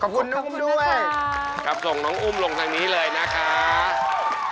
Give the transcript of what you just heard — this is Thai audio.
ขอบคุณน้องคุณด้วยค่ะกรับส่งน้องอุ้มลงทางนี้เลยนะคะสำคัญบ้าง